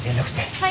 はい。